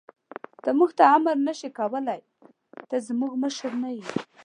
ته موږ ته امر نه شې کولای، ته زموږ مشر نه یې.